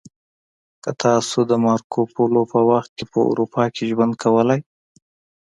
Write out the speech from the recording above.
که تاسې د مارکو پولو په وخت کې په اروپا کې ژوند کولی